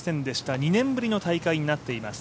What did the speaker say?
２年ぶりの大会になっています。